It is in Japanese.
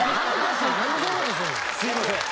すいません。